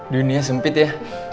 dunia sempit ya